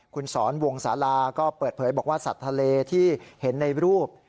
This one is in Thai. คุณสอนวงศาลาก็เปิดเผยบอกว่าสัตว์ทะเลที่เห็นในรูป